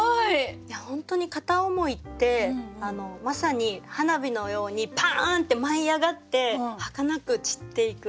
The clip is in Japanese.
本当に片思いってまさに花火のようにパーンって舞い上がってはかなく散っていく。